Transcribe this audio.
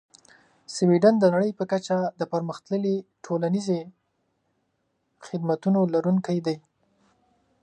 سویدن د نړۍ په کچه د پرمختللې ټولنیزې خدمتونو لرونکی دی.